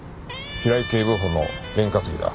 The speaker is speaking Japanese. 平井警部補の験担ぎだ。